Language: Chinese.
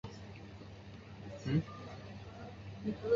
初期的市场调查显示部份家长并不喜欢玩偶明显的胸部。